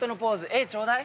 絵ちょうだい。